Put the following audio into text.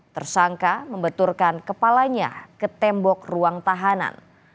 tersangka membeturkan kepalanya ke tembok ruang tahanan